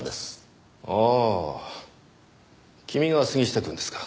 ああ君が杉下くんですか。